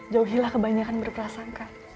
jauhilah kebanyakan berprasangka